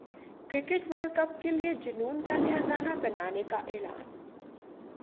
cricket world cup کے لیے جنون کا نیا گانا بنانے کا اعلان